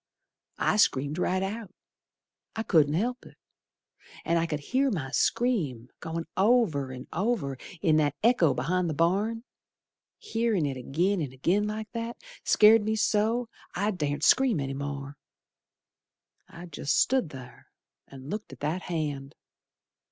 I screamed right out, I couldn't help it, An' I could hear my scream Goin' over an' over In that echo be'ind th' barn. Hearin' it agin an' agin like that Scared me so, I dar'sn't scream any more. I jest stood ther, And looked at that hand.